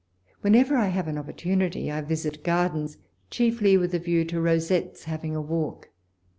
When ever I have an opportunity I visit gardens, chiefly with a view to Rosette's having a walk.